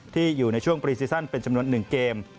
ที่อยู่ในช่วงปีเป็นจำนวน๑เกม